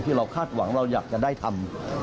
เราคาดหวังเราอยากจะได้ทำ